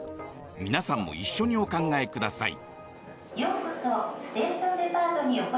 皆さんも一緒にお考え下さい。